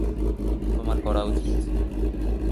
তোমার করা উচিত।